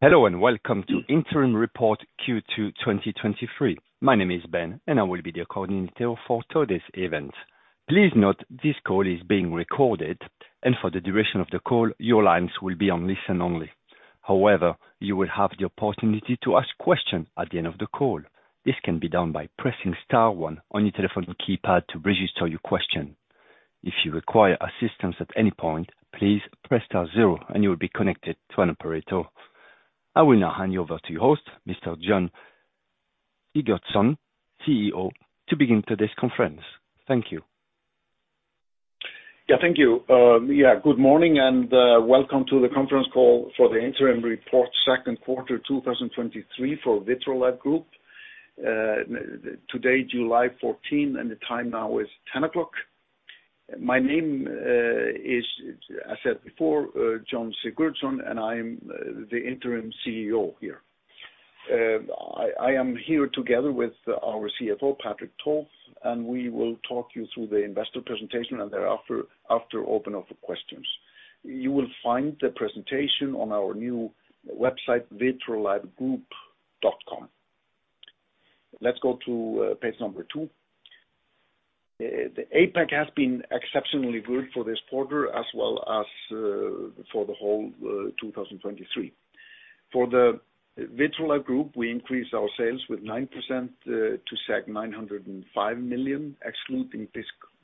Hello, and welcome to interim report Q2 2023. My name is Ben, and I will be the coordinator for today's event. Please note, this call is being recorded, and for the duration of the call, your lines will be on listen only. However, you will have the opportunity to ask questions at the end of the call. This can be done by pressing star one on your telephone keypad to register your question. If you require assistance at any point, please press star zero, and you will be connected to an operator. I will now hand you over to your host, Mr. Jón Sigurdsson, CEO, to begin today's conference. Thank you. Thank you. Good morning, and welcome to the conference call for the interim report second quarter, 2023 for Vitrolife Group. Today, July 14, and the time now is 10:00 A.M. My name is, as I said before, Jón Sigurdsson, and I am the interim CEO here. I am here together with our CFO, Patrik Tolf, and we will talk you through the investor presentation, and thereafter open up for questions. You will find the presentation on our new website, vitrolifegroup.com. Let's go to page number two. The APAC has been exceptionally good for this quarter, as well as for the whole 2023. For the Vitrolife Group, we increased our sales with 9% to 905 million, excluding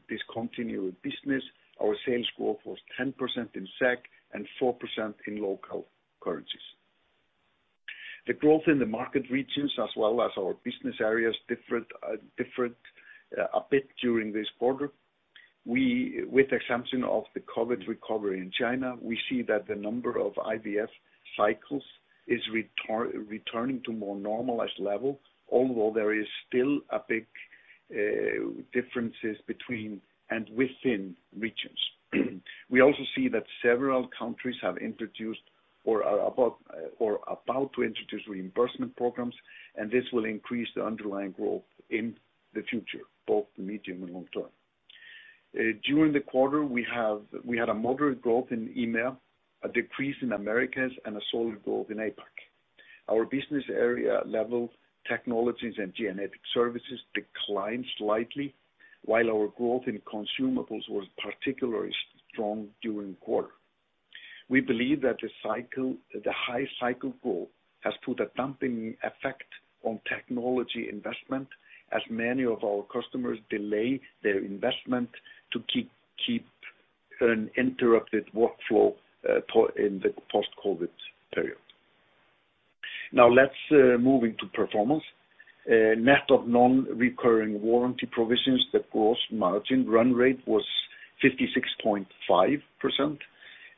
discontinued business. Our sales growth was 10% in SEK and 4% in local currencies. The growth in the market regions, as well as our business areas, different a bit during this quarter. With the exception of the COVID recovery in China, we see that the number of IVF cycles is returning to more normalized level, although there is still a big, differences between and within regions. We also see that several countries have introduced or about to introduce reimbursement programs. This will increase the underlying growth in the future, both the medium and long term. During the quarter, we had a moderate growth in EMEA, a decrease in Americas, and a solid growth in APAC. Our business area level, Technologies, and Genetic Services declined slightly, while our growth in Consumables was particularly strong during the quarter. We believe that the cycle, the high cycle growth, has put a damping effect on Technologies investment, as many of our customers delay their investment to keep an interrupted workflow, in the post-COVID period. Now, let's move into performance. Net of non-recurring warranty provisions, the gross margin run rate was 56.5%.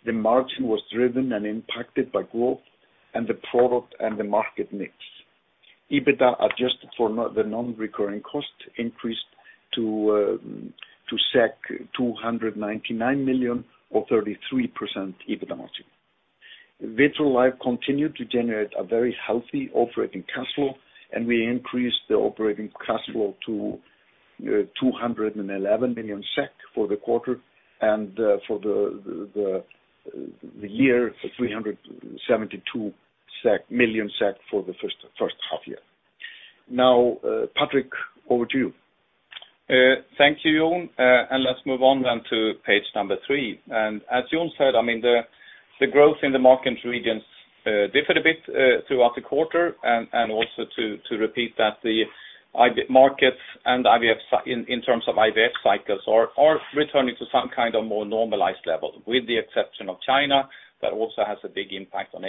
The margin was driven and impacted by growth and the product and the market mix. EBITDA, adjusted for the non-recurring cost, increased to 299 million, or 33% EBITDA margin. Vitrolife continued to generate a very healthy operating cash flow, and we increased the operating cash flow to 211 million SEK for the quarter, and for the year, 372 million SEK for the first half year. Patrik, over to you. Thank you, Jón, and let's move on then to page number three. As Jón said, I mean, the growth in the market regions differed a bit throughout the quarter, and also to repeat that the IB markets and IVF in terms of IVF cycles are returning to some kind of more normalized level, with the exception of China, that also has a big impact on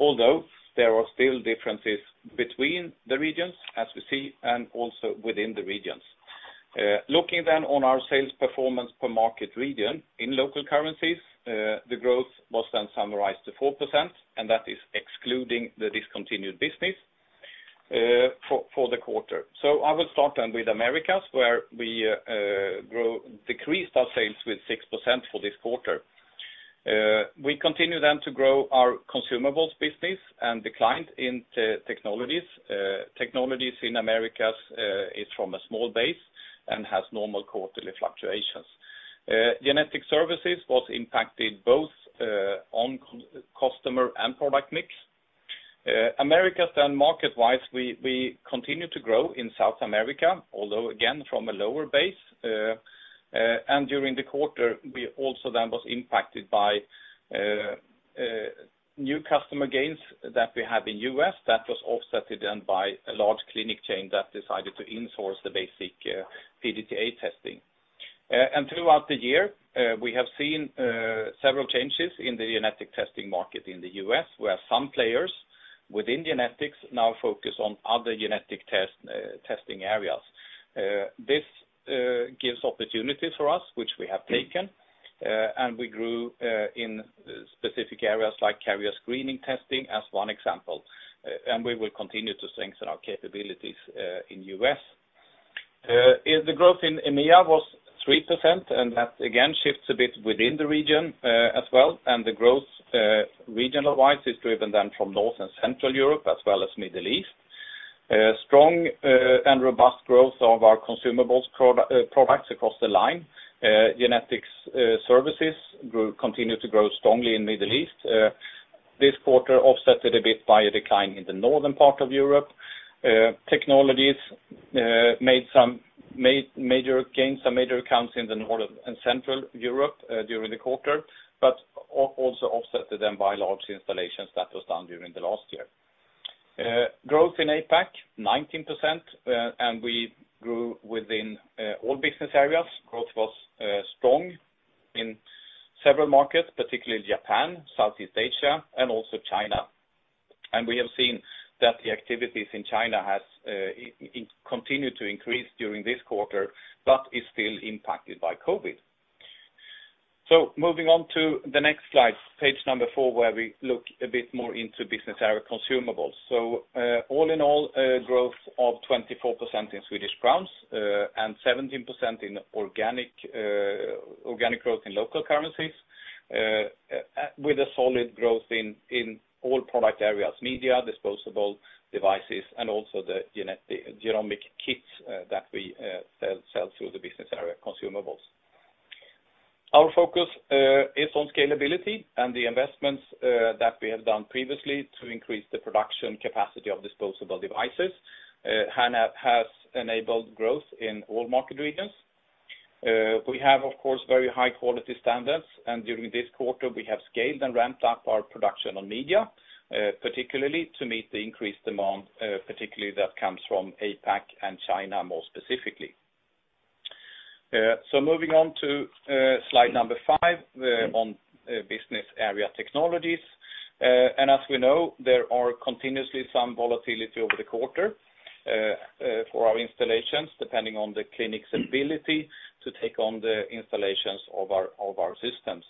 APAC. There are still differences between the regions, as we see, and also within the regions. Looking then on our sales performance per market region, in local currencies, the growth was then summarized to 4%, and that is excluding the discontinued business for the quarter. I will start then with Americas, where we decreased our sales with 6% for this quarter. We continue then to grow our Consumables business and declined in Technologies. Technologies in Americas is from a small base and has normal quarterly fluctuations. Genetic Services was impacted both on customer and product mix. Americas, then market-wise, we continue to grow in South America, although again, from a lower base, and during the quarter, we also then was impacted by new customer gains that we have in U.S. That was offsetted then by a large clinic chain that decided to in-source the basic PGT-A testing. Throughout the year, we have seen several changes in the genetic testing market in the U.S., where some players within Genetics now focus on other genetic testing areas. This gives opportunities for us, which we have taken, and we grew in specific areas like carrier screening testing, as one example. We will continue to strengthen our capabilities in U.S. Is the growth in EMEA was 3%, that again, shifts a bit within the region as well. The growth, regional wise, is driven then from North and Central Europe, as well as Middle East. Strong and robust growth of our Consumables products across the line. Genetics Services grew, continued to grow strongly in Middle East. This quarter offset it a bit by a decline in the northern part of Europe. Technologies made major gains, some major accounts in the North and Central Europe during the quarter, also offsetted them by large installations that was done during the last year. Growth in APAC, 19%, we grew within all business areas. Growth was strong in several markets, particularly Japan, Southeast Asia, and also China. We have seen that the activities in China has continued to increase during this quarter, but is still impacted by COVID. Moving on to the next slide, page number four, where we look a bit more into business area Consumables. All in all, a growth of 24% in SEK, and 17% in organic growth in local currencies, with a solid growth in all product areas, media, disposable devices, and also the genomic kits that we sell through the business area Consumables. Our focus is on scalability and the investments that we have done previously to increase the production capacity of disposable devices has enabled growth in all market regions. We have, of course, very high quality standards, and during this quarter, we have scaled and ramped up our production on media, particularly to meet the increased demand, particularly that comes from APAC and China, more specifically. Moving on to slide number five, on business area Technologies. As we know, there are continuously some volatility over the quarter for our installations, depending on the clinic's ability to take on the installations of our systems.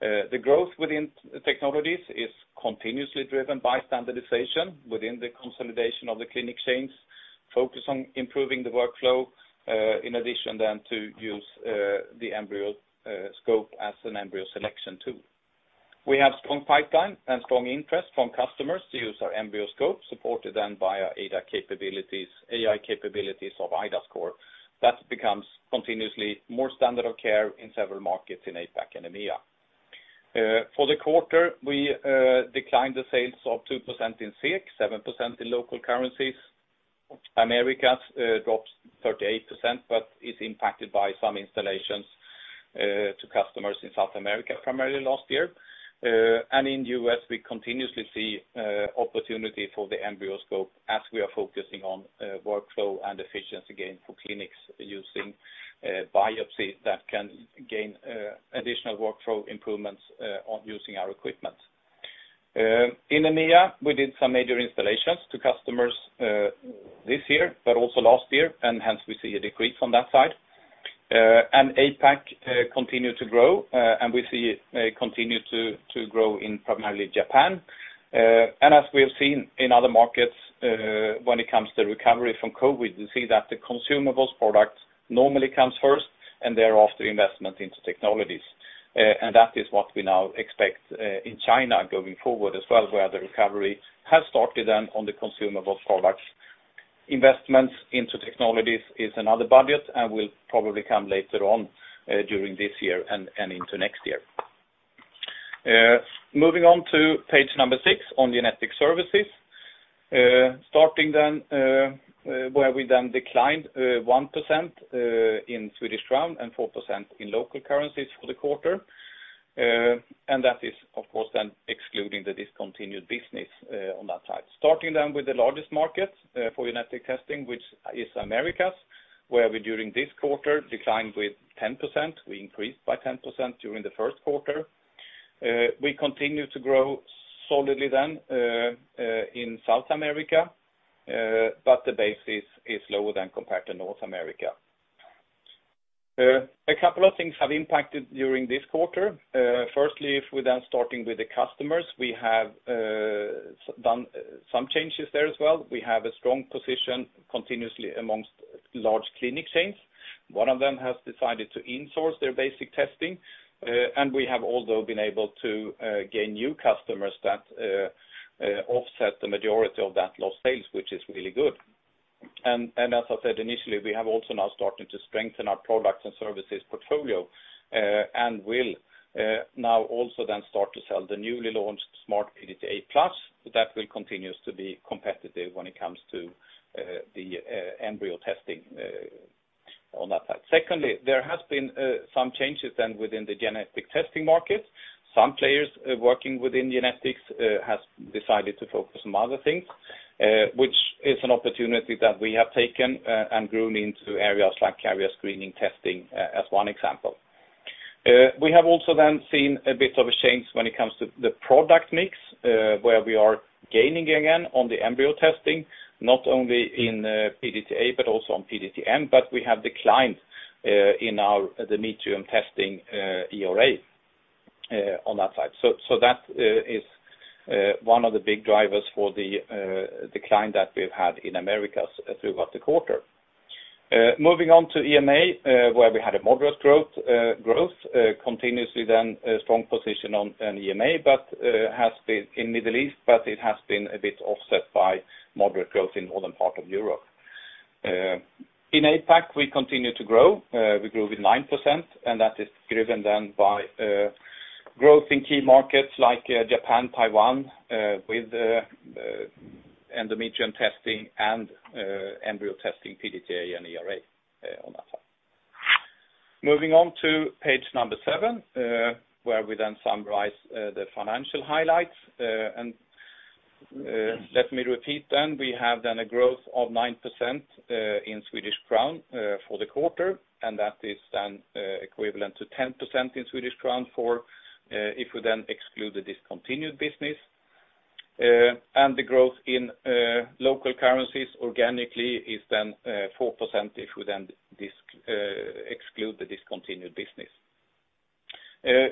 The growth within Technologies is continuously driven by standardization within the consolidation of the clinic chains, focus on improving the workflow, in addition then to use the EmbryoScope as an embryo selection tool. We have strong pipeline and strong interest from customers to use our EmbryoScope, supported then by our iDA capabilities, AI capabilities of iDAScore. That becomes continuously more standard of care in several markets in APAC and EMEA. For the quarter, we declined the sales of 2% in SEK, 7% in local currencies. Americas drops 38%, but is impacted by some installations to customers in South America, primarily last year. In U.S., we continuously see opportunity for the EmbryoScope as we are focusing on workflow and efficiency gain for clinics using biopsy that can gain additional workflow improvements on using our equipment. In EMEA, we did some major installations to customers this year, but also last year, and hence we see a decrease on that side. APAC continued to grow, and we see it continue to grow in primarily Japan. As we have seen in other markets, when it comes to recovery from COVID, we see that the Consumables products normally comes first, and thereafter, investment into Technologies. That is what we now expect in China going forward as well, where the recovery has started then on the Consumable products. Investments into Technologies is another budget, and will probably come later on during this year and into next year. Moving on to page number six on Genetic Services. Starting then, where we then declined 1% in Swedish crown and 4% in local currencies for the quarter. That is, of course, then excluding the discontinued business on that side. Starting then with the largest market for genetic testing, which is Americas, where we, during this quarter, declined with 10%. We increased by 10% during the first quarter. We continue to grow solidly then in South America, but the base is lower than compared to North America. A couple of things have impacted during this quarter. Firstly, if we then starting with the customers, we have done some changes there as well. We have a strong position continuously amongst large clinic chains. One of them has decided to insource their basic testing, and we have also been able to gain new customers that offset the majority of that lost sales, which is really good. As I said initially, we have also now started to strengthen our products and services portfolio, and will now also then start to sell the newly launched Smart PGT-A Plus. That will continues to be competitive when it comes to the embryo testing on that side. Secondly, there has been some changes then within the genetic testing market. Some players working within Genetics has decided to focus on other things, which is an opportunity that we have taken and grown into areas like carrier screening testing as one example. We have also then seen a bit of a change when it comes to the product mix, where we are gaining again on the embryo testing, not only in PGT-A, but also on PGT-M, but we have declined the medium endometrium testing, ERA on that side. That is one of the big drivers for the decline that we've had in Americas throughout the quarter. Moving on to EMEA, where we had a moderate growth, continuously then a strong position on an EMEA, but has been in Middle East, but it has been a bit offset by moderate growth in northern part of Europe. In APAC, we continue to grow, we grew with 9%, and that is driven then by growth in key markets like Japan, Taiwan, with the endometrium testing and embryo testing, PGT-A and ERA, on that side. Moving on to page number seven, where we then summarize the financial highlights. And let me repeat then, we have done a growth of 9% in Swedish krona for the quarter, and that is then equivalent to 10% in Swedish krona for if we then exclude the discontinued business. The growth in local currencies organically is then 4% if we then exclude the discontinued business.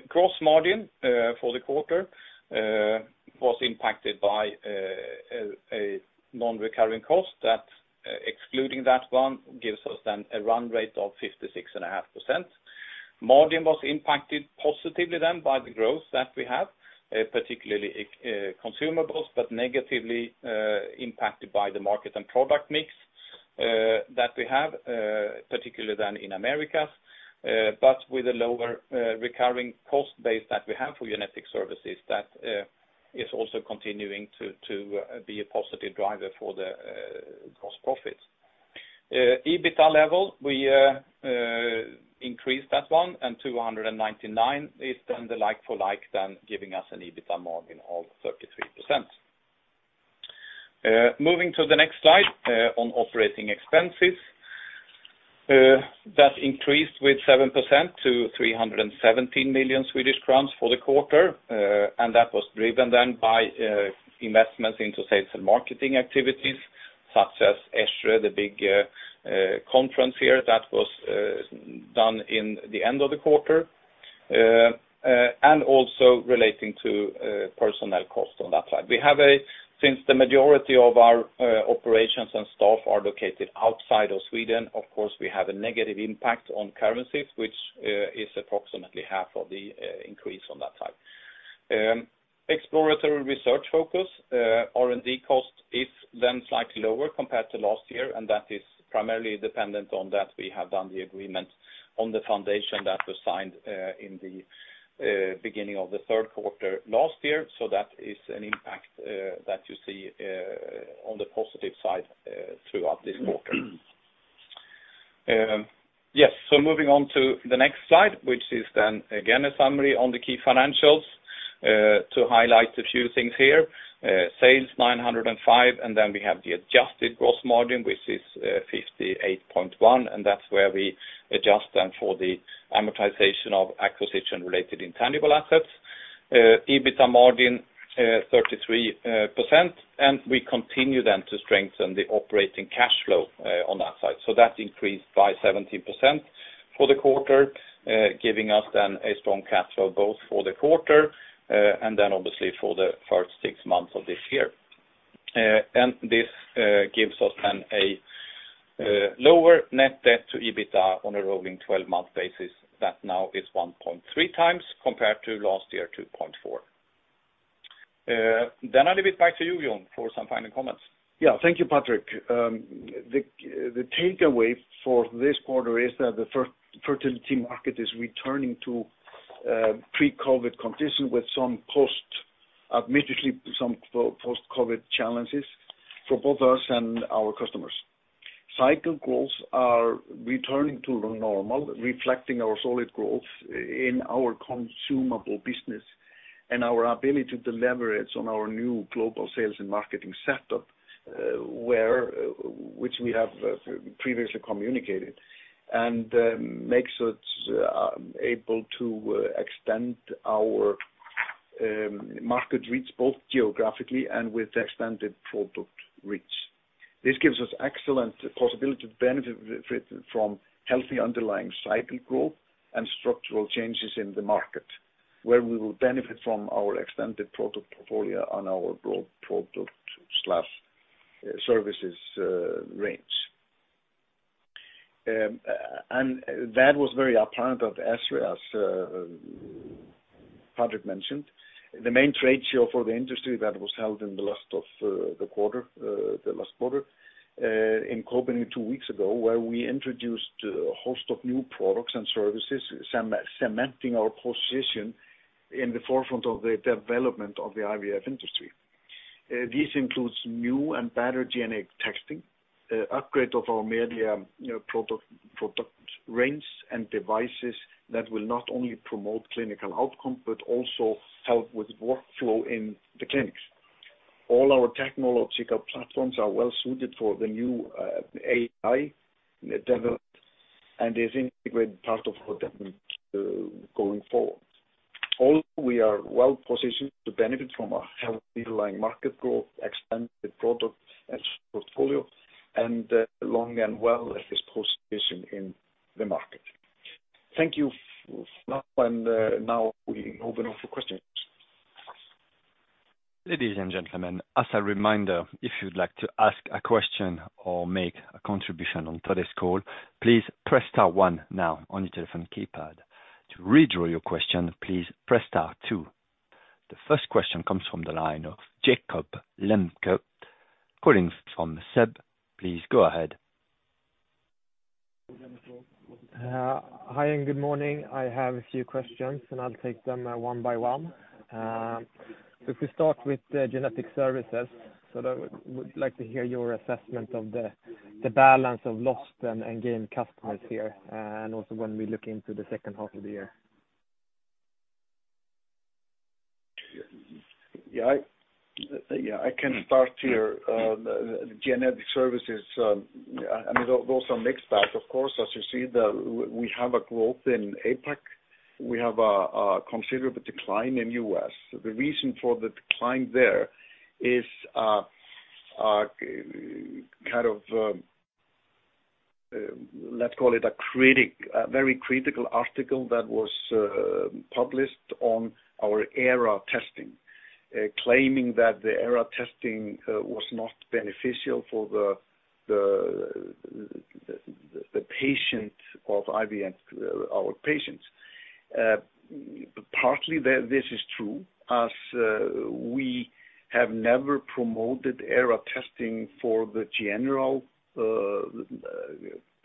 Gross margin for the quarter was impacted by a non-recurring cost that excluding that one, gives us then a run rate of 56.5%. Margin was impacted positively then by the growth that we have, particularly Consumables, but negatively impacted by the market and product mix that we have, particularly then in Americas, but with a lower recurring cost base that we have for Genetic Services, that is also continuing to be a positive driver for the cost profits. EBITDA level, we increased that one, and 299 is then the like for like, then giving us an EBITDA margin of 33%. Moving to the next slide, on operating expenses. That increased with 7% to 317 million Swedish crowns for the quarter, and that was driven then by investments into sales and marketing activities, such as ESHRE, the big conference here that was done in the end of the quarter, and also relating to personnel cost on that side. We have, since the majority of our operations and staff are located outside of Sweden, of course, we have a negative impact on currencies, which is approximately half of the increase on that side. Exploratory research focus, R&D cost is then slightly lower compared to last year, and that is primarily dependent on that we have done the agreement on the foundation that was signed in the beginning of the third quarter last year. That is an impact that you see on the positive side throughout this quarter. Moving on to the next slide, which is then again, a summary on the key financials to highlight a few things here. Sales, 905, and then we have the adjusted gross margin, which is 58.1%, and that's where we adjust then for the amortization of acquisition-related intangible assets. EBITDA margin, 33%, and we continue then to strengthen the operating cash flow on that side. That increased by 17% for the quarter, giving us then a strong cash flow, both for the quarter, and then obviously for the first six months of this year. This gives us then a lower net debt to EBITDA on a rolling 12-month basis, that now is 1.3x compared to last year, 2.4x. I leave it back to you, Jón, for some final comments. Yeah. Thank you, Patrik. The takeaway for this quarter is that the fertility market is returning to pre-COVID conditions with some post, admittedly, some post-COVID challenges for both us and our customers. Cycle growth are returning to the normal, reflecting our solid growth in our Consumable business and our ability to leverage on our new global sales and marketing setup, where, which we have previously communicated, and makes us able to extend our market reach both geographically and with the extended product reach. This gives us excellent possibility to benefit from healthy underlying cycle growth and structural changes in the market, where we will benefit from our extended product portfolio on our broad product/services range. That was very apparent of ESHRE, as Patrik mentioned, the main trade show for the industry that was held in the last of the quarter, the last quarter, in Copenhagen two weeks ago, where we introduced a host of new products and services, cementing our position in the forefront of the development of the IVF industry. This includes new and better genetic testing, upgrade of our media, you know, product range and devices that will not only promote clinical outcome, but also help with workflow in the clinics. All our technological platforms are well suited for the new AI development, and is integrated part of our development going forward. All we are well positioned to benefit from a healthy underlying market growth, expanded product and portfolio, and long and well as this position in the market. Thank you. Now we open up for questions. Ladies and gentlemen, as a reminder, if you'd like to ask a question or make a contribution on today's call, please press star one now on your telephone keypad. To redraw your question, please press star two. The first question comes from the line of Jakob Lembke, calling from SEB. Please go ahead. Hi, and good morning. I have a few questions, and I'll take them, one by one. If we start with the Genetic Services, I would like to hear your assessment of the balance of lost and gained customers here, and also when we look into the second half of the year. I can start here. The Genetic Services, I mean, those are mixed bags. Of course, as you see, we have a growth in APAC. We have a considerable decline in U.S. The reason for the decline there is kind of, let's call it a very critical article that was published on our ERA testing, claiming that the ERA testing was not beneficial for the patient of IVF, our patients. Partly this is true, as we have never promoted ERA testing for the general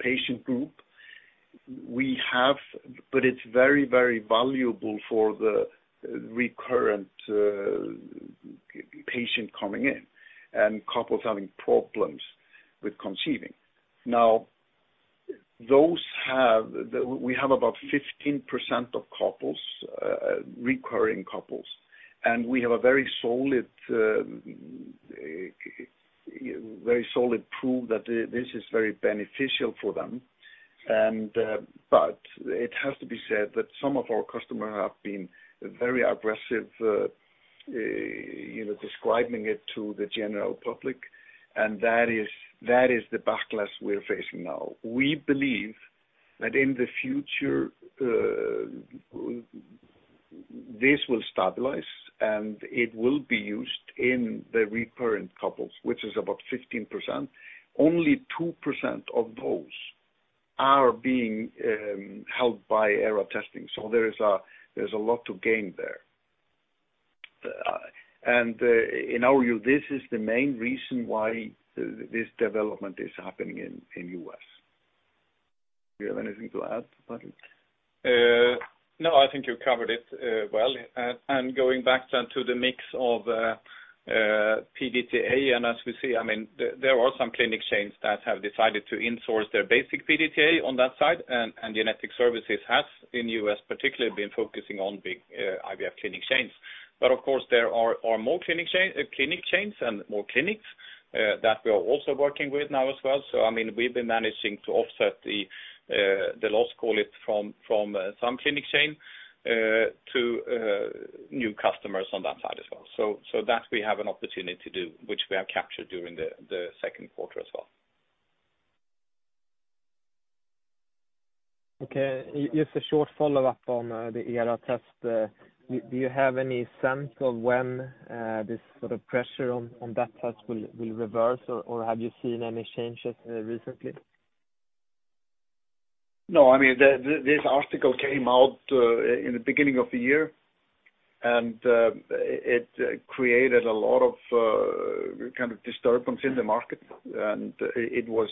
patient group. It's very valuable for the recurrent patient coming in, and couples having problems with conceiving. We have about 15% of couples, recurring couples, we have a very solid proof that this is very beneficial for them. It has to be said that some of our customers have been very aggressive, you know, describing it to the general public, that is the backlash we're facing now. We believe that in the future, this will stabilize, it will be used in the recurrent couples, which is about 15%. Only 2% of those are being helped by ERA testing, there's a lot to gain there. In our view, this is the main reason why this development is happening in U.S. Do you have anything to add, Patrik? No, I think you covered it well. Going back then to the mix of PGT-A, as we see, I mean, there are some clinic chains that have decided to insource their basic PGT-A on that side, and Genetic Services has, in U.S. particularly, been focusing on big IVF clinic chains. Of course, there are more clinic chain, clinic chains and more clinics that we are also working with now as well. I mean, we've been managing to offset the loss, call it, from some clinic chain to new customers on that side as well. That we have an opportunity to do, which we have captured during the second quarter as well. Okay. Just a short follow-up on the ERA test. Do you have any sense of when this sort of pressure on that test will reverse, or have you seen any changes recently? I mean, this article came out in the beginning of the year, and it created a lot of kind of disturbance in the market, and it was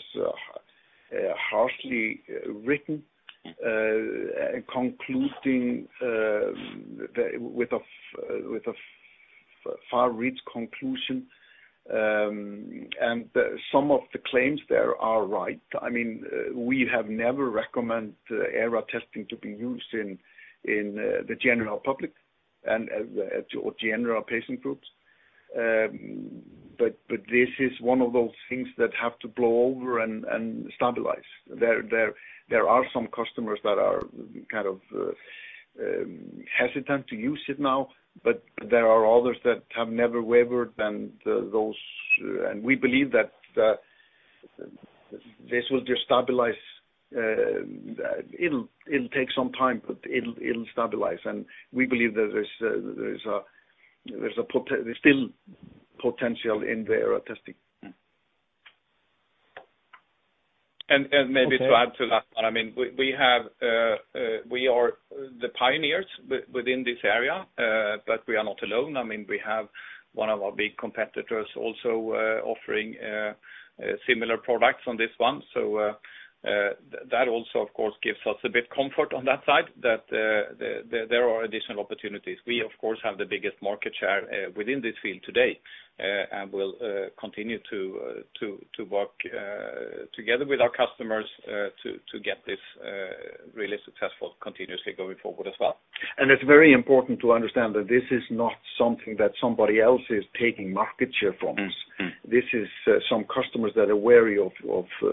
harshly written, concluding with a far-reach conclusion. Some of the claims there are right. I mean, we have never recommend ERA testing to be used in the general public and or general patient groups. This is one of those things that have to blow over and stabilize. There are some customers that are kind of hesitant to use it now, but there are others that have never wavered, and those, we believe that this will just stabilize. It'll take some time, but it'll stabilize, and we believe that there's still potential in the ERA testing. And, and maybe- Okay... to add to that one, I mean, we have, we are the pioneers within this area, but we are not alone. I mean, we have one of our big competitors also, offering similar products on this one. That also, of course, gives us a bit comfort on that side, that there are additional opportunities. We, of course, have the biggest market share within this field today, and we'll continue to work together with our customers to get this really successful continuously going forward as well. It's very important to understand that this is not something that somebody else is taking market share from us. Mm-hmm. This is some customers that are wary of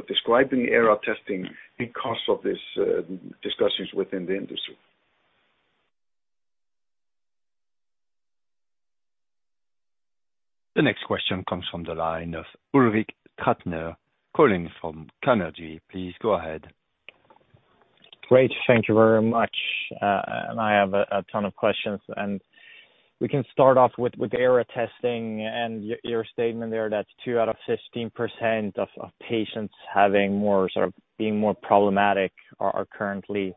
describing ERA testing because of this, discussions within the industry. The next question comes from the line of Ulrik Trattner, calling from Carnegie. Please go ahead. Great, thank you very much. I have a ton of questions, we can start off with ERA testing and your statement there that 2% out of 15% of patients having more, sort of, being more problematic are currently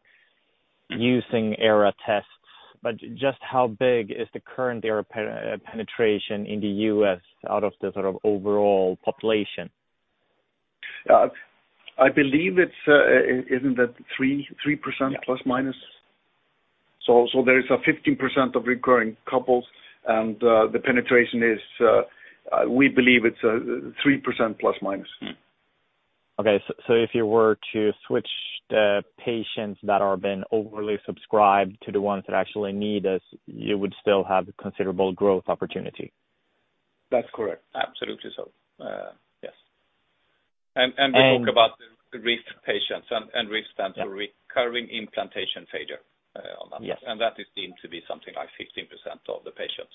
using ERA tests. Just how big is the current ERA penetration in the U.S. out of the sort of overall population? I believe it's, isn't it 3% ±? There is a 15% of recurring couples, and, the penetration is, we believe it's, 3% ±. Okay, if you were to switch the patients that are been overly subscribed to the ones that actually need this, you would still have considerable growth opportunity? That's correct. Absolutely so, yes. And- We talk about the risk patients and risk stands for Recurring Implantation Failure on that. Yes. That is deemed to be something like 15% of the patients.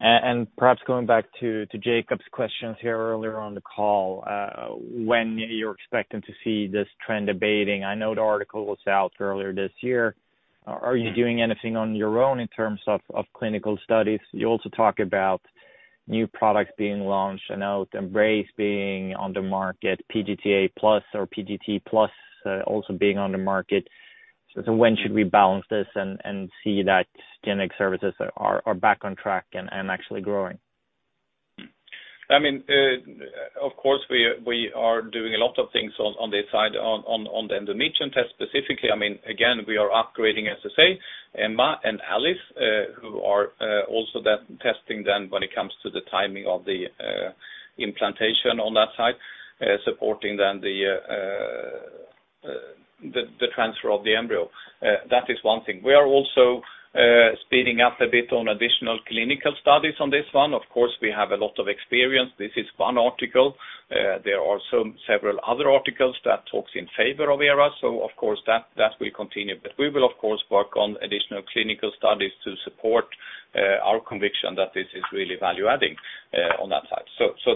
Perhaps going back to Jakob's questions here earlier on the call, when you're expecting to see this trend abating, I know the article was out earlier this year? Are you doing anything on your own in terms of clinical studies? You also talk about new products being launched, I know, EMBRACE being on the market, PGT-A Plus or PGT Plus, also being on the market. When should we balance this and see that Genetic Services are back on track and actually growing? I mean, of course, we are doing a lot of things on this side, on the ERA test specifically. I mean, again, we are upgrading, as I say, EMMA and ALICE, who are also testing when it comes to the timing of the implantation on that side, supporting the transfer of the embryo. That is one thing. We are also speeding up a bit on additional clinical studies on this one. Of course, we have a lot of experience. This is one article. There are some several other articles that talks in favor of ERA, so of course, that will continue. We will, of course, work on additional clinical studies to support our conviction that this is really value-adding on that side.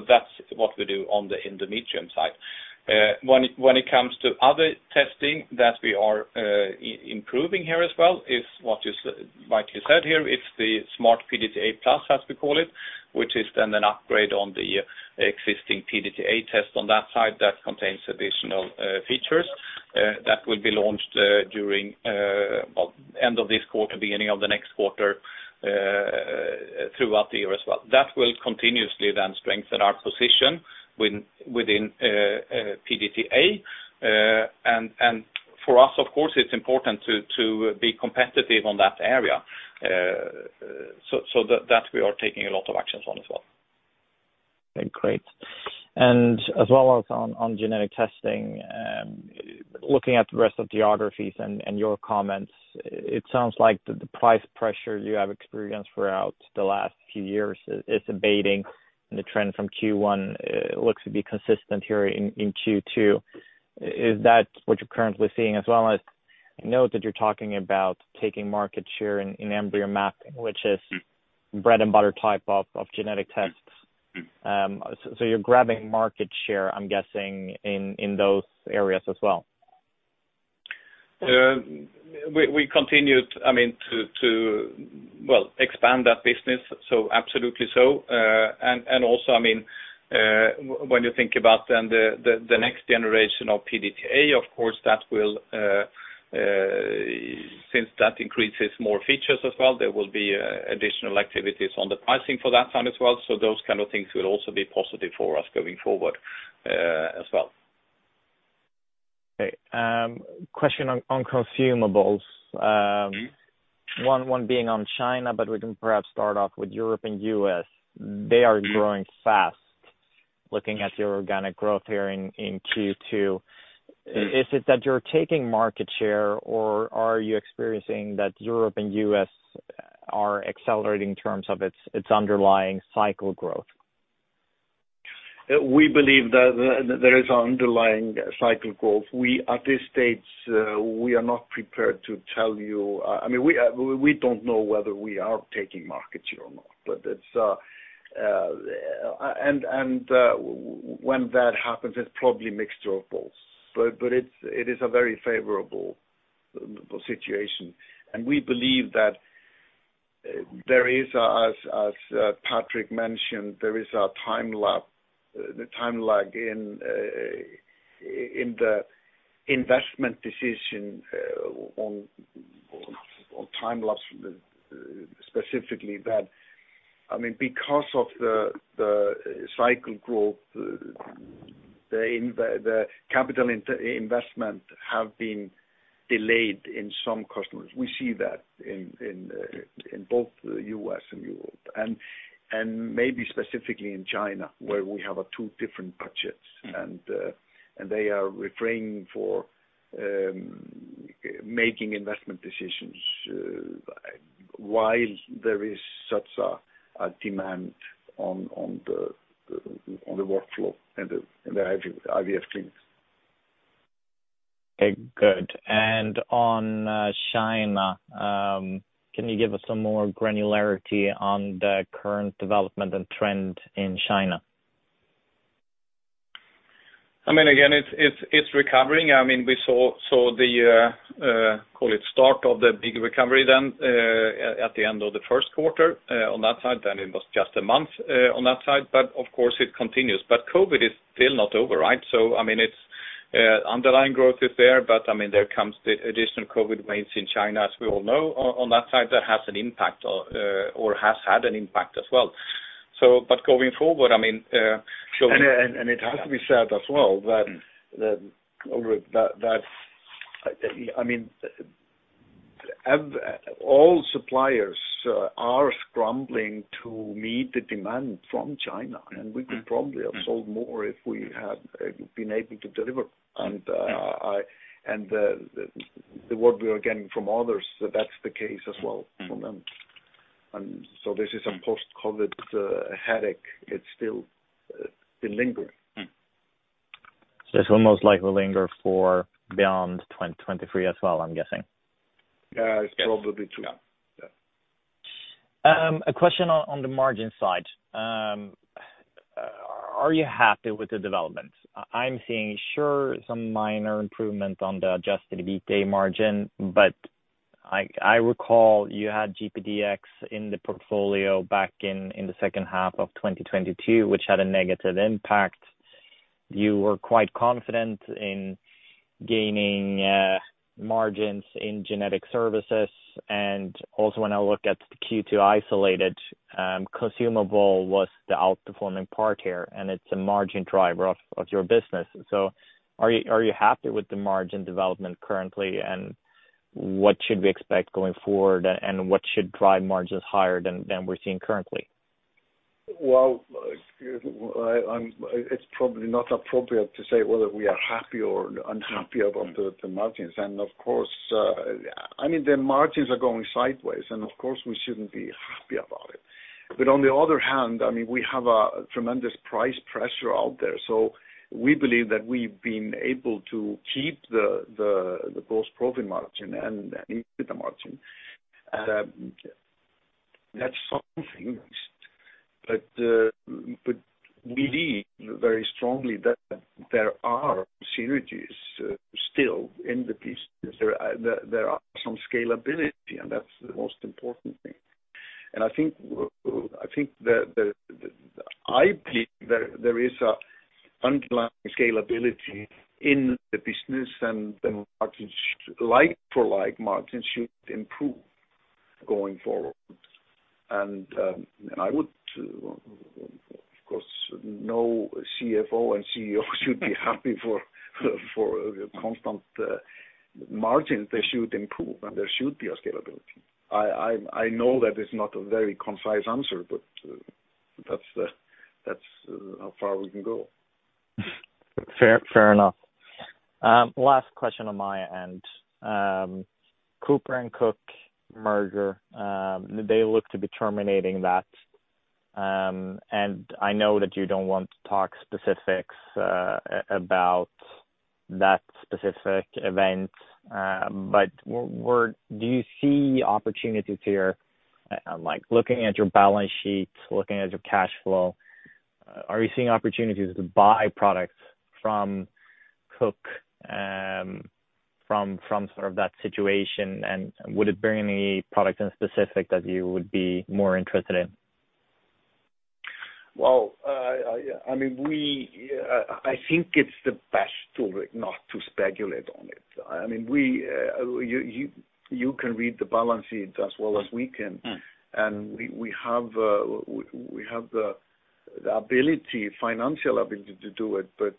That's what we do on the ERA side. When it comes to other testing that we are improving here as well, is what is rightly said here, it's the Smart PGT-A Plus, as we call it, which is then an upgrade on the existing PGT-A test on that side that contains additional features that will be launched during, well, end of this quarter, beginning of the next quarter, throughout the year as well. That will continuously then strengthen our position within PGT-A. For us, of course, it's important to be competitive on that area. That we are taking a lot of actions on as well. Okay, great. As well as on genetic testing, looking at the rest of geographies and your comments, it sounds like the price pressure you have experienced throughout the last few years is abating, and the trend from Q1 looks to be consistent here in Q2. Is that what you're currently seeing, as well as I know that you're talking about taking market share in embryo mapping, which is bread and butter type of genetic tests, so you're grabbing market share, I'm guessing, in those areas as well? We continued, I mean, to well, expand that business, so absolutely so. Also, I mean, when you think about then the next generation of PGT-A, of course, that will, since that increases more features as well, there will be additional activities on the pricing for that one as well. Those kind of things will also be positive for us going forward, as well. Okay, question on Consumables. Mm-hmm. One being on China, We can perhaps start off with Europe and U.S. They are growing fast, looking at your organic growth here in Q2. Is it that you're taking market share, or are you experiencing that Europe and U.S. are accelerating in terms of its underlying cycle growth? We believe that there is underlying cycle growth. We, at this stage, we are not prepared to tell you... I mean, we don't know whether we are taking market share or not, but it's and when that happens, it's probably a mixture of both. It is a very favorable situation, and we believe that there is a, as Patrik mentioned, there is a time lap, the time lag in the investment decision on time-lapse specifically that, I mean, because of the cycle growth, the capital investment have been delayed in some customers. We see that in both the U.S. and Europe, and maybe specifically in China, where we have a two different budgets. They are refraining for making investment decisions while there is such a demand on the IVF clinics. Okay, good. On China, can you give us some more granularity on the current development and trend in China? I mean, again, it's recovering. I mean, we saw the call it start of the big recovery then at the end of the first quarter on that side, then it was just a month on that side, but of course it continues. COVID is still not over, right? I mean, it's underlying growth is there, but, I mean, there comes the additional COVID waves in China, as we all know, on that side, that has an impact or has had an impact as well. Going forward, I mean. It has to be said as well, that, Ulrik, that, I mean, all suppliers are scrambling to meet the demand from China, and we could probably have sold more if we had been able to deliver. The word we are getting from others, that's the case as well for them. This is a post-COVID headache. It's still lingering. It's almost likely to linger for beyond 2023 as well, I'm guessing? Yeah, it's probably true. Yeah. Yeah. A question on the margin side. Are you happy with the development? I'm seeing, sure, some minor improvement on the adjusted EBITDA margin, but I recall you had GPDx in the portfolio back in the second half of 2022, which had a negative impact. You were quite confident in gaining margins in Genetic Services, and also when I look at the Q2 isolated, Consumable was the outperforming part here, and it's a margin driver of your business. Are you happy with the margin development currently, and what should we expect going forward, and what should drive margins higher than we're seeing currently? Well, it's probably not appropriate to say whether we are happy or unhappy about the margins. Of course, I mean, the margins are going sideways, and of course we shouldn't be happy about it. On the other hand, I mean, we have a tremendous price pressure out there. We believe that we've been able to keep the gross profit margin and EBITDA margin. That's something. We believe very strongly that there are synergies still in the piece. There are some scalability, and that's the most important thing. I think that I believe there is a underlying scalability in the business, and the margins, like-for-like margins should improve going forward. I would, of course, no CFO and CEO should be happy for constant margins. They should improve, and there should be a scalability. I know that is not a very concise answer, but that's how far we can go. Fair enough. Last question on my end. Cooper and Cook merger, they look to be terminating that. I know that you don't want to talk specifics about that specific event, but do you see opportunities here? Unlike looking at your balance sheets, looking at your cash flow, are you seeing opportunities to buy products from Cook, from sort of that situation? Would it be any product in specific that you would be more interested in? Well, I mean, you can read the balance sheet as well as we can. Mm. We have the financial ability to do it, but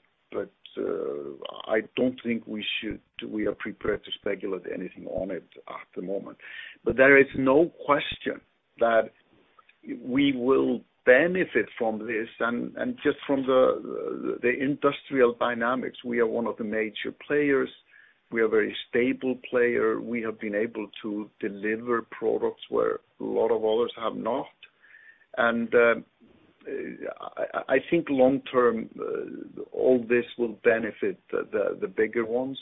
I don't think we should, we are prepared to speculate anything on it at the moment. There is no question that we will benefit from this, and just from the industrial dynamics, we are one of the major players. We are a very stable player. We have been able to deliver products where a lot of others have not. I think long term, all this will benefit the bigger ones,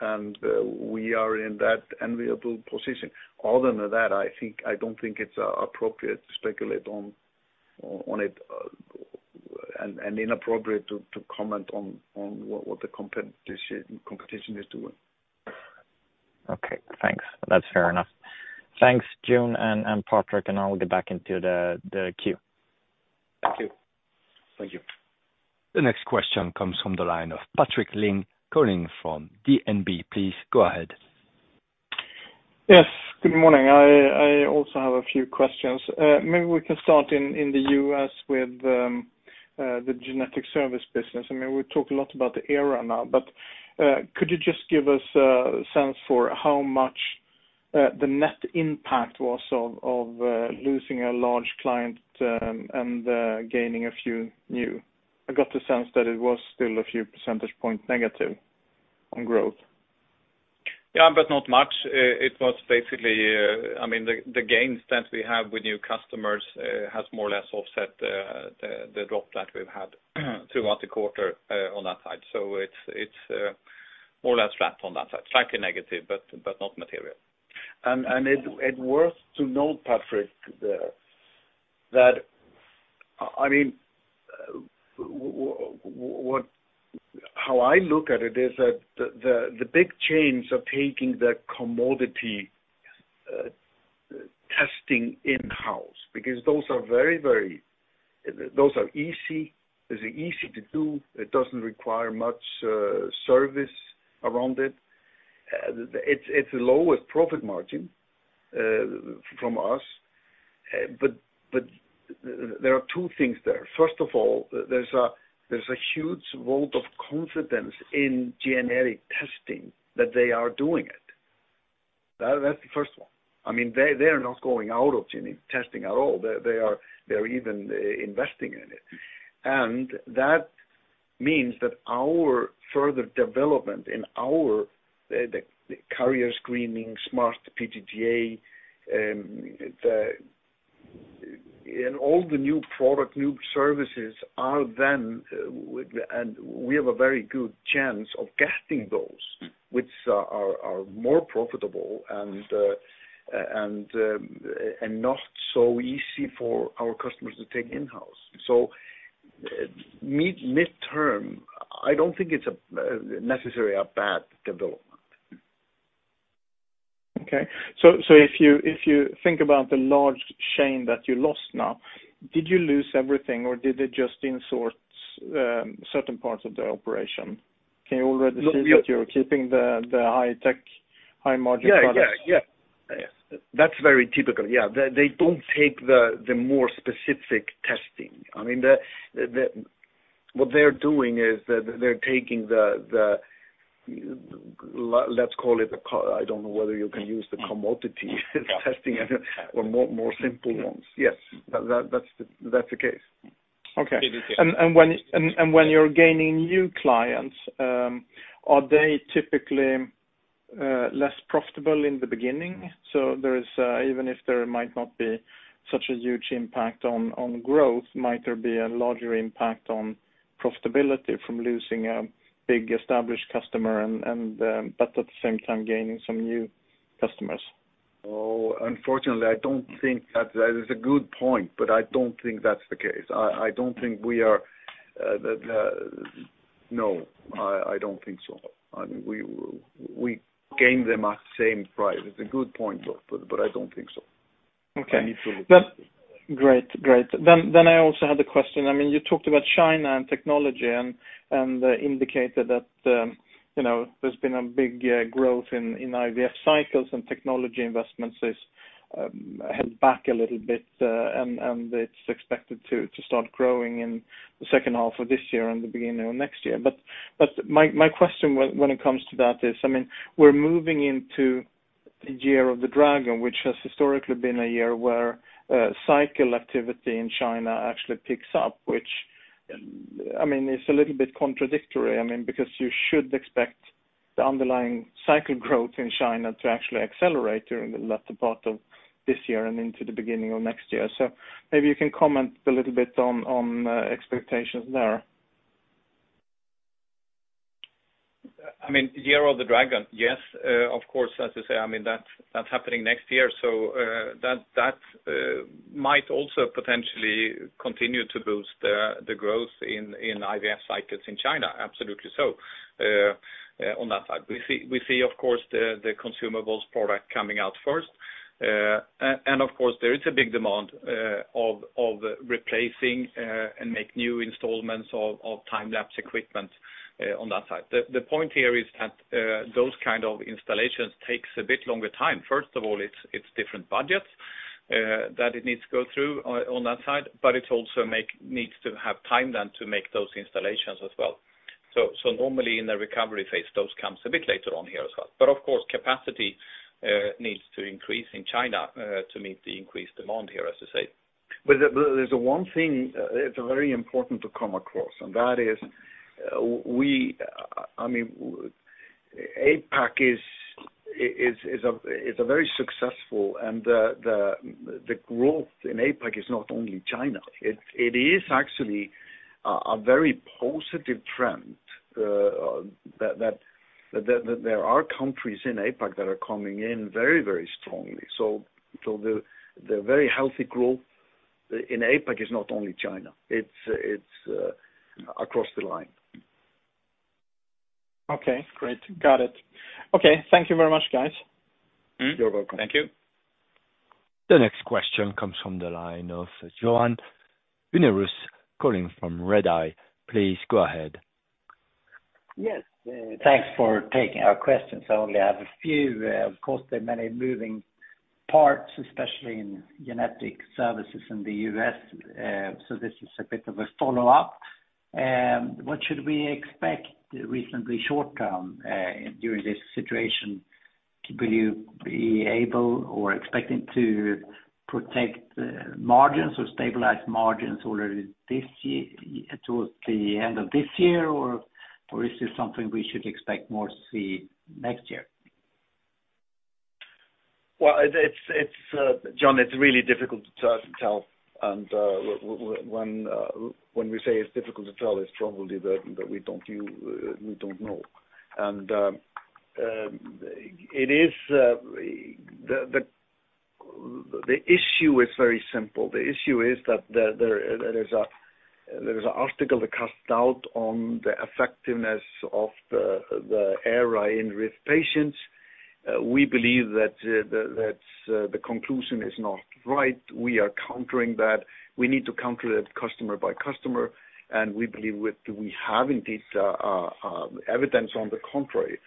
and we are in that enviable position. Other than that, I think, I don't think it's appropriate to speculate on it, and inappropriate to comment on what the competition is doing. Okay, thanks. That's fair enough. Thanks, Jón and Patrik. I'll get back into the queue. Thank you. Thank you. The next question comes from the line of Patrik Ling, calling from DNB. Please go ahead. Yes, good morning. I also have a few questions. Maybe we can start in the U.S. with the genetic service business. I mean, we've talked a lot about the ERA now. Could you just give us a sense for how much the net impact was of losing a large client and gaining a few new? I got the sense that it was still a few percentage points negative on growth. Not much. It was basically, I mean, the gains that we have with new customers, has more or less offset the drop that we've had throughout the quarter, on that side. It's more or less flat on that side. Slightly negative, but not material. It is worth to note, Patrik, that I mean, what, how I look at it is that the big chains are taking the commodity testing in-house, because those are very, very, those are easy, is easy to do. It doesn't require much service around it. It is the lowest profit margin from us. But there are two things there. First of all, there is a huge vote of confidence in genetic testing that they are doing it. That is the first one. I mean, they are not going out of genetic testing at all. They are even investing in it. That means that our further development in our, the carrier screening, Smart PGT-A, in all the new product, new services are then, and we have a very good chance of getting those which are more profitable and not so easy for our customers to take in-house. Midterm, I don't think it's necessarily a bad development. If you think about the large chain that you lost now, did you lose everything or did it just in source certain parts of the operation? Can you already see that you're keeping the high tech, high margin products? Yeah, yeah. Yeah. That's very typical, yeah. They don't take the more specific testing. I mean, what they're doing is that they're taking the, let's call it a commodity testing or more simple ones. Yes, that's the case. Okay. When you're gaining new clients, are they typically less profitable in the beginning? There is, even if there might not be such a huge impact on growth, might there be a larger impact on profitability from losing a big established customer and, but at the same time gaining some new customers? Oh, unfortunately, I don't think that. That is a good point. I don't think that's the case. I don't think we are, the, no, I don't think so. I mean, we gain them at the same price. It's a good point. I don't think so. Okay. I need to look at it. Great. Great. I also had a question. I mean, you talked about China and Technologies and indicated that, you know, there's been a big growth in IVF cycles and Technologies investments is held back a little bit, and it's expected to start growing in the second half of this year and the beginning of next year. My question when it comes to that is, I mean, we're moving into the Year of the Dragon, which has historically been a year where cycle activity in China actually picks up, which, I mean, it's a little bit contradictory. I mean, because you should expect the underlying cycle growth in China to actually accelerate during the latter part of this year and into the beginning of next year. Maybe you can comment a little bit on expectations there. I mean, Year of the Dragon, yes, of course, as you say, I mean, that's happening next year. That might also potentially continue to boost the growth in IVF cycles in China. Absolutely so on that side. We see, of course, the Consumables product coming out first. Of course, there is a big demand of replacing and make new installments of time-lapse equipment on that side. The point here is that those kind of installations takes a bit longer time. First of all, it's different budgets that it needs to go through on that side, but it also needs to have time then to make those installations as well. Normally in the recovery phase, those comes a bit later on here as well. Of course, capacity needs to increase in China to meet the increased demand here, as you say. There's one thing that's very important to come across, and that is we, I mean, APAC is a very successful and the growth in APAC is not only China. It is actually a very positive trend that there are countries in APAC that are coming in very strongly. The very healthy growth in APAC is not only China, it's across the line. Okay, great. Got it. Okay, thank you very much, guys. You're welcome. Thank you. The next question comes from the line of Johan Unnérus, calling from Redeye. Please go ahead. Thanks for taking our questions. I only have a few, of course, there are many moving parts, especially in Genetic Services in the U.S., so this is a bit of a follow-up. What should we expect recently short term during this situation? Will you be able or expecting to protect margins or stabilize margins already this year, towards the end of this year, or is this something we should expect more to see next year? Well, it's, Johan, it's really difficult to tell. ... when we say it's difficult to tell, it's probably that we don't, we don't know. It is the issue is very simple. The issue is that there is an article that cast doubt on the effectiveness of the ERA in RIF patients. We believe that the conclusion is not right. We are countering that. We need to counter it customer by customer, and we believe we have indeed evidence on the contrary.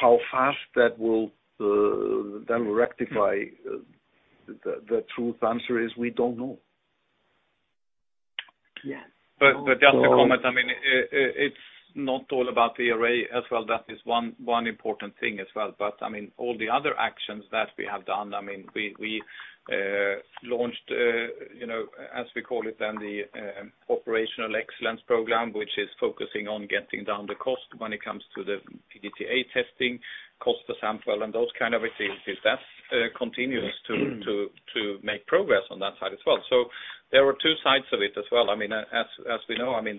How fast that will that will rectify the true answer is we don't know. Yeah. Just to comment, I mean, it's not all about the array as well. That is one important thing as well. I mean, all the other actions that we have done, I mean, we launched, you know, as we call it then the operational excellence program, which is focusing on getting down the cost when it comes to the PGT-A testing, cost the sample and those kind of things. That's continuous. Mm. to make progress on that side as well. There were two sides of it as well. I mean, as we know, I mean,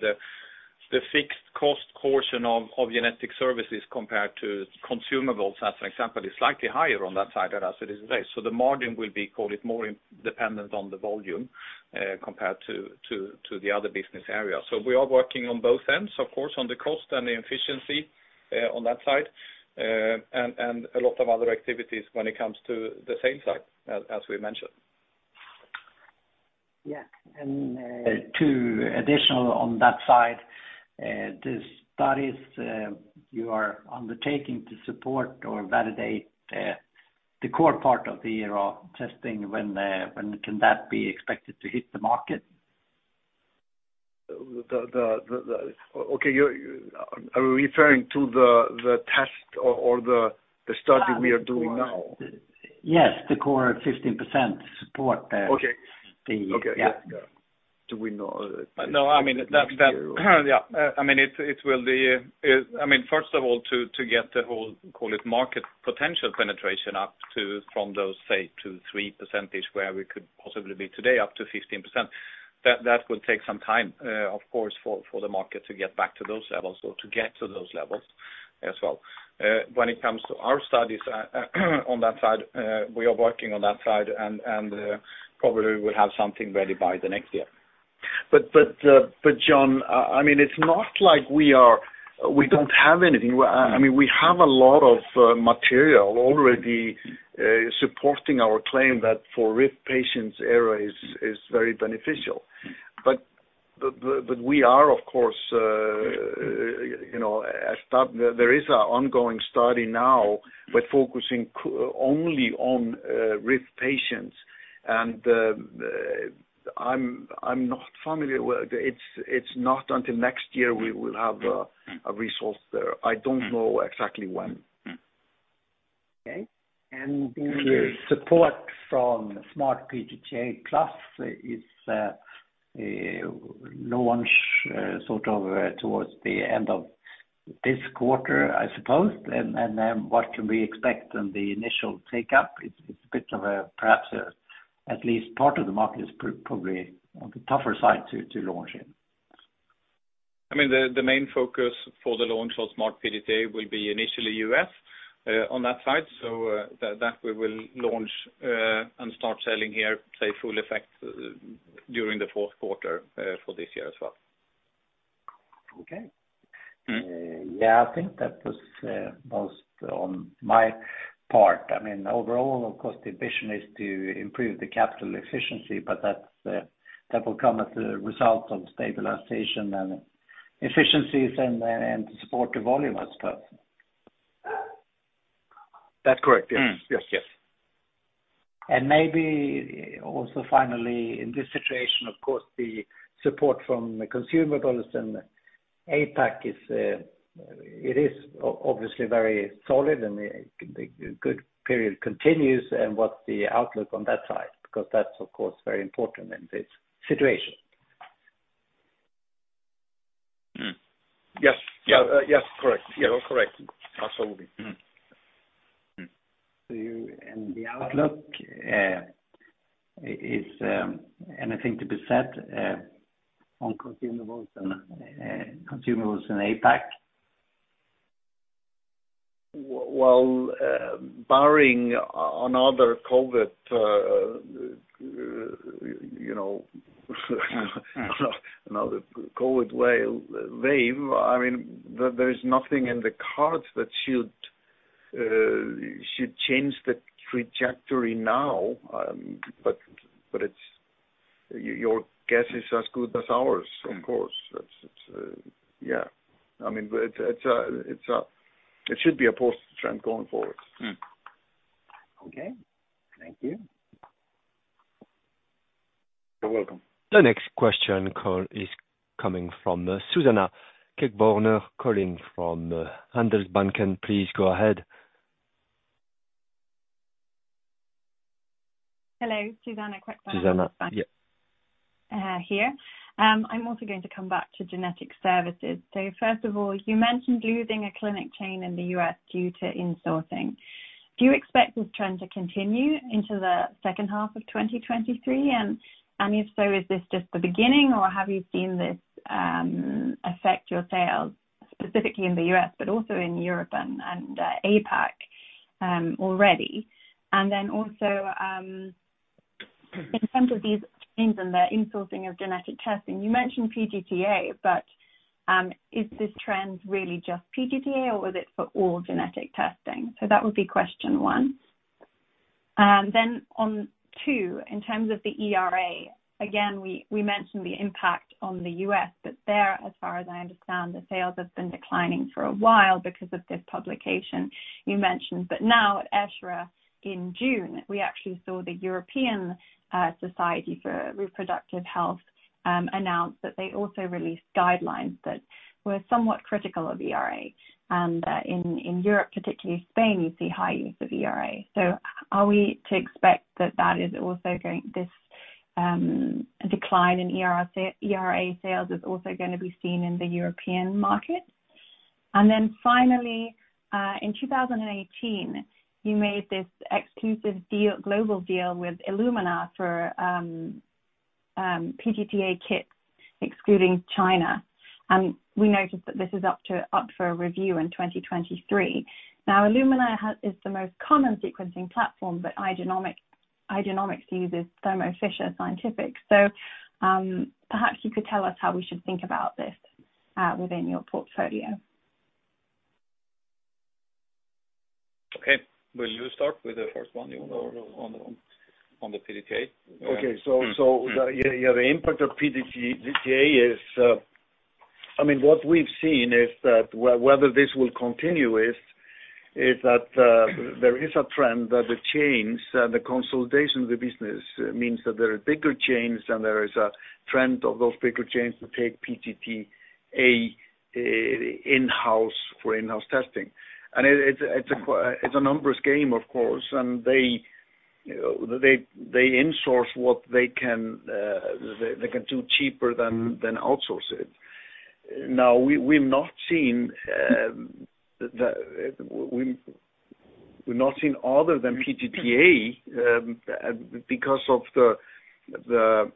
the fixed cost portion of Genetic Services compared to Consumables, as an example, is slightly higher on that side as it is today. The margin will be, call it, more dependent on the volume, compared to the other business areas. We are working on both ends, of course, on the cost and the efficiency on that side, and a lot of other activities when it comes to the same side as we mentioned. Yeah. Two additional on that side, the studies, you are undertaking to support or validate, the core part of the ERA testing, when can that be expected to hit the market? The Okay, are we referring to the test or the study we are doing now? Yes, the core 15% support. Okay. The, yeah. Okay, yeah. Do we know? No, I mean, that, yeah, I mean, it will be, I mean, first of all, to get the whole, call it, market potential penetration up to, from those, say, 2%, 3% where we could possibly be today, up to 15%, that will take some time, of course, for the market to get back to those levels or to get to those levels as well. When it comes to our studies, on that side, we are working on that side, and probably will have something ready by the next year. Johan, I mean, it's not like we don't have anything. I mean, we have a lot of material already supporting our claim that for RIF patients, ERA is very beneficial. We are, of course, you know, as that, there is an ongoing study now, but focusing only on RIF patients, and I'm not familiar with it. It's not until next year we will have a resource there. I don't know exactly when. Okay. The support from Smart PGT-A Plus is launch sort of towards the end of this quarter, I suppose. What can we expect on the initial take-up? It's a bit of a, perhaps, at least part of the market is probably on the tougher side to launch in. I mean, the main focus for the launch of Smart PGT-A will be initially U.S. on that side. That we will launch and start selling here, say, full effect during the fourth quarter for this year as well. Okay. Mm. Yeah, I think that was most on my part. I mean, overall, of course, the ambition is to improve the capital efficiency, but that will come as a result of stabilization and efficiencies and support the volume as well. That's correct. Mm. Yes, yes. Maybe also finally, in this situation, of course, the support from the Consumables and APAC is, it is obviously very solid, and the good period continues, and what's the outlook on that side? Because that's, of course, very important in this situation. Yes. Yeah, yes, correct. Yeah, correct. Absolutely. You, and the outlook, is anything to be said on Consumables and Consumables in APAC? Well, barring another COVID, you know, another COVID wave, I mean, there is nothing in the cards that should change the trajectory now, but it's. Your guess is as good as ours, of course. Mm. That's, it's, yeah. I mean, it's a, it should be a positive trend going forward. Okay. Thank you. You're welcome. The next question call is coming from Suzanna Queckbörner, calling from Handelsbanken. Please go ahead. Hello, Suzanna Queckbörner. Suzanna, yeah. Here. I'm also going to come back to Genetic Services. You mentioned losing a clinic chain in the U.S. due to insourcing. Do you expect this trend to continue into the second half of 2023? If so, is this just the beginning, or have you seen this affect your sales, specifically in the U.S., but also in Europe and APAC already? Also, in terms of these trends and the insourcing of genetic testing, you mentioned PGT-A, but is this trend really just PGT-A, or was it for all genetic testing? That would be question one. On two, in terms of the ERA, again, we mentioned the impact on the U.S., but there, as far as I understand, the sales have been declining for a while because of this publication you mentioned. Now at ESHRE in June, we actually saw the European Society for Reproductive Health announce that they also released guidelines that were somewhat critical of ERA. In Europe, particularly Spain, you see high use of ERA. Are we to expect that this decline in ERA sales is also going to be seen in the European market? Finally, in 2018, you made this exclusive deal, global deal with Illumina for PGT-A kits, excluding China. We noticed that this is up for review in 2023. Illumina is the most common sequencing platform, but Igenomix uses Thermo Fisher Scientific. Perhaps you could tell us how we should think about this within your portfolio. Okay. Will you start with the first one, Jón, on the PGT-A? Okay. The, yeah, the impact of PGT-A is, I mean, what we've seen is that whether this will continue is that there is a trend that the chains, the consolidation of the business means that there are bigger chains, and there is a trend of those bigger chains to take PGT-A in-house for in-house testing. It, it's a, it's a numbers game, of course, and they in-source what they can, they can do cheaper than outsource it. We've not seen other than PGT-A because of the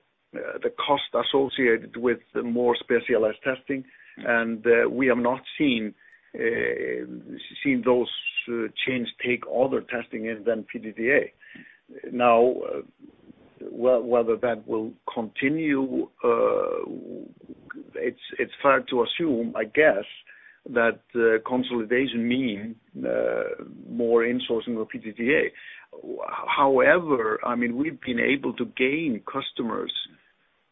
cost associated with the more specialized testing, and we have not seen those chains take other testing in than PGT-A. Whether that will continue, it's fair to assume, I guess, that consolidation mean more insourcing of PGT-A. However, I mean, we've been able to gain customers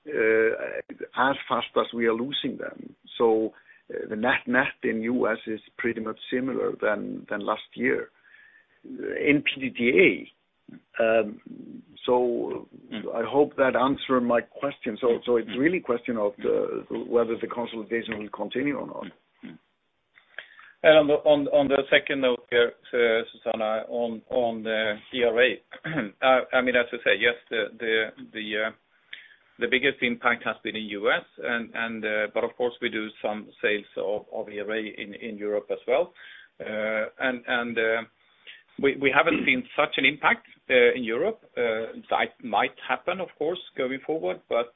as fast as we are losing them. The net in U.S. is pretty much similar than last year in PGT-A. I hope that answer my questions. It's really a question of whether the consolidation will continue or not. On the second note here, Suzanna, on the ERA. I mean, as you say, yes, the biggest impact has been in U.S. But of course, we do some sales of ERA in Europe as well. We haven't seen such an impact in Europe. That might happen, of course, going forward, but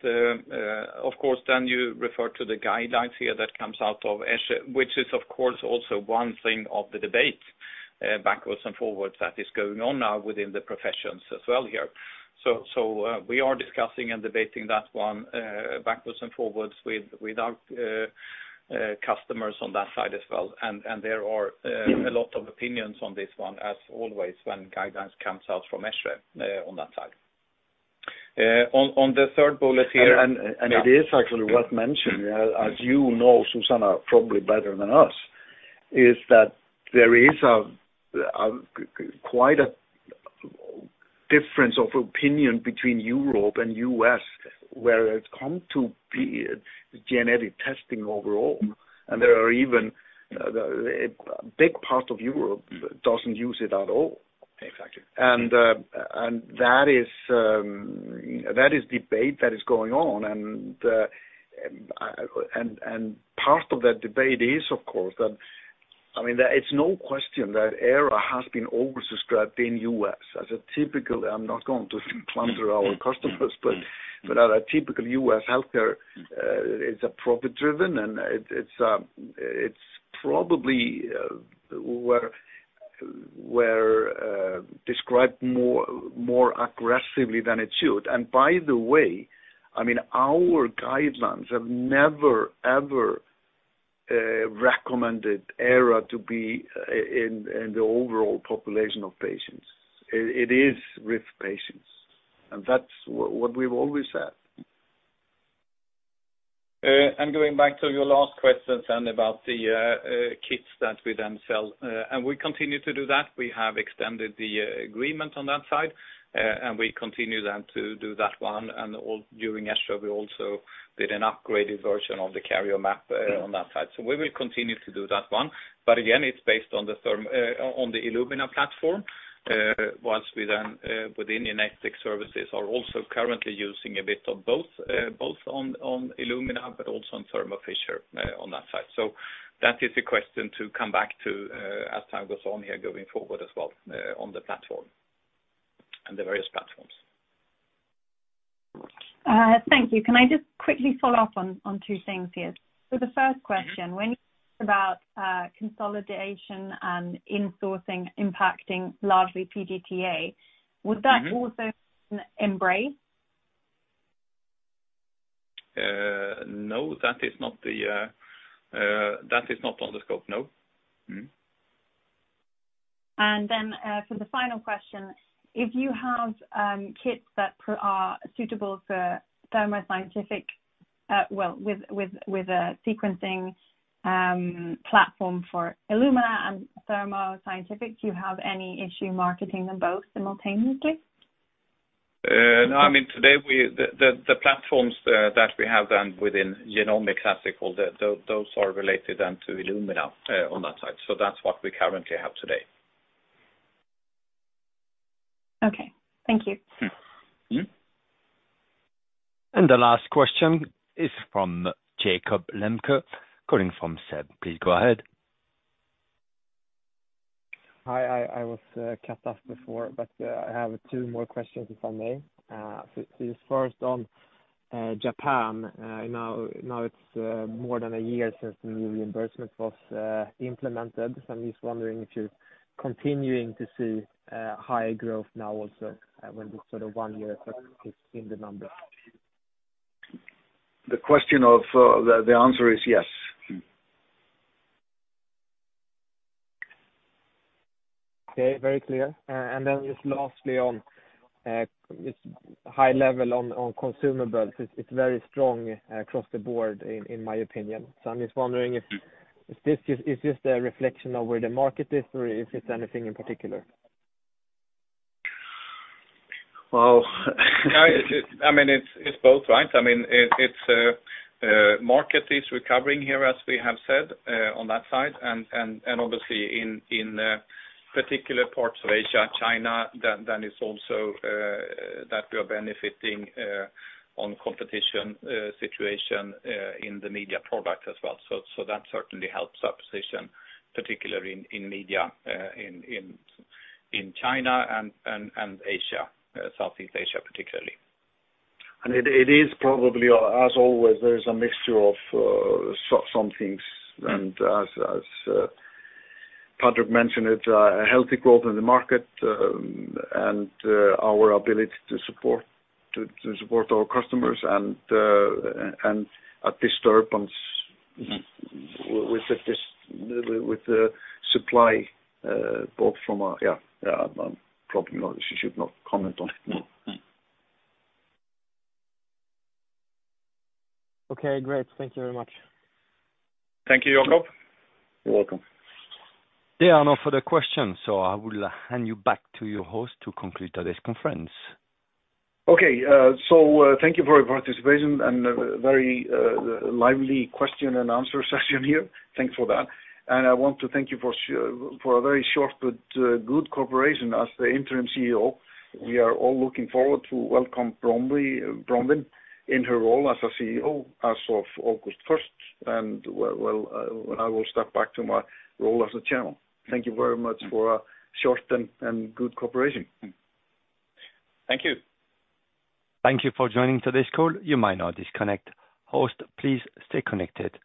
of course, then you refer to the guidelines here that comes out of ESHRE, which is, of course, also one thing of the debate, backwards and forwards, that is going on now within the professions as well here. We are discussing and debating that one, backwards and forwards with our customers on that side as well. There are a lot of opinions on this one, as always, when guidelines comes out from ESHRE, on that side. On the third bullet here- It is actually worth mentioning, as you know, Suzanna, probably better than us, is that there is a quite a difference of opinion between Europe and U.S., where it come to be genetic testing overall, and there are even, big part of Europe doesn't use it at all. Exactly. That is debate that is going on. Part of that debate is, of course, that, I mean, there is no question that ERA has been oversubscribed in U.S. As a typical, I'm not going to clunker our customers, but as a typical U.S. healthcare, it's a profit-driven, and it's probably, where described more, more aggressively than it should. By the way, I mean, our guidelines have never, ever, recommended ERA to be, in the overall population of patients. It is with patients, and that's what we've always said. Going back to your last question about the kits that we sell, we continue to do that. We have extended the agreement on that side, we continue to do that one. During ESHRE, we also did an upgraded version of the CarrierMap on that side. We will continue to do that one, but again, it's based on the Illumina platform, whilst we within Genetic Services, are also currently using a bit of both on Illumina, but also on Thermo Fisher on that side. That is a question to come back to as time goes on here, going forward as well, on the platform and the various platforms. Thank you. Can I just quickly follow up on two things here? The first question, when you about, consolidation and insourcing impacting largely PGT-A, would that also EMBRACE? No, that is not on the scope. No. For the final question, if you have kits that are suitable for Thermo Scientific, well, with a sequencing, platform for Illumina and Thermo Scientific, do you have any issue marketing them both simultaneously? No. I mean, today, we, the platforms, that we have then within genomic classical, those are related then to Illumina, on that side. That's what we currently have today. Okay. Thank you. Mm-hmm. The last question is from Jakob Lembke, calling from SEB. Please go ahead. Hi, I was cut off before, but I have two more questions, if I may. First on Japan, now, it's more than one year since the new reimbursement was implemented. I'm just wondering if you're continuing to see higher growth now also when this sort of one year effect is in the numbers. The question of the answer is yes. Okay, very clear. Then just lastly on, just high level on Consumables, it's very strong across the board, in my opinion. I'm just wondering. Mm. Is this a reflection of where the market is, or if it's anything in particular? Well, I mean, it's both, right? I mean, it's market is recovering here, as we have said, on that side, and obviously in particular parts of Asia, China, then it's also that we are benefiting on competition situation in the media product as well. That certainly helps our position, particularly in media, in China and Asia, Southeast Asia, particularly. It is probably, as always, there is a mixture of some things, and as Patrik mentioned it, a healthy growth in the market, and our ability to support our customers and a disturbance. Mm ...with the supply, both from a yeah, probably not, should not comment on it. Okay, great. Thank you very much. Thank you, Jakob. You're welcome. There are no further questions, so I will hand you back to your host to complete today's conference. Okay, thank you for your participation and a very lively question-and-answer session here. Thanks for that. I want to thank you for a very short but good cooperation as the interim CEO. We are all looking forward to welcome Bronwyn Brophy in her role as our CEO as of August 1st, 2023, well, I will step back to my role as the Chairman. Thank you very much for a short and good cooperation. Thank you. Thank you for joining today's call. You may now disconnect. Host, please stay connected.